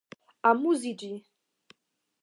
amuziĝi